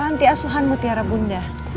tanti asuhan mutiara bunda